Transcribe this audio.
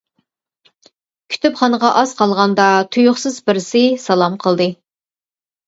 كۇتۇپخانىغا ئاز قالغاندا تۇيۇقسىز بىرسى سالام قىلدى.